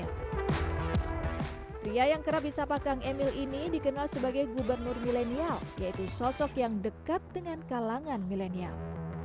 pria yang kerap disapa kang emil ini dikenal sebagai gubernur milenial yaitu sosok yang dekat dengan kalangan milenial